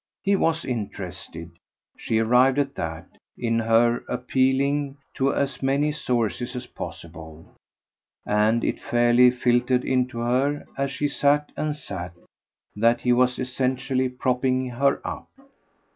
He was interested she arrived at that in her appealing to as many sources as possible; and it fairly filtered into her, as she sat and sat, that he was essentially propping her up.